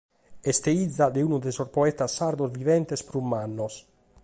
Est fìgia de unu de sos poetas sardos viventes prus mannos.